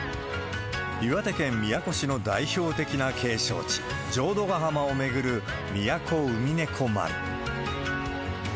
岩手県宮古市の代表的な景勝地、浄土ヶ浜を巡る宮古うみねこ丸。